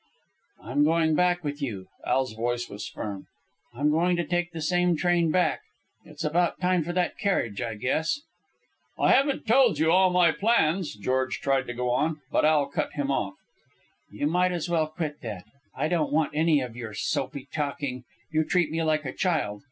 "I'm going back with you." Al's voice was firm. "I'm going to take the same train back. It's about time for that carriage, I guess." "I haven't told you all my plans," George tried to go on, but Al cut him off. "You might as well quit that. I don't want any of your soapy talking. You treat me like a child.